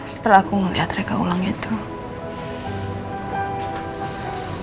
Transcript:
setelah aku ngeliat mereka ulangnya tuh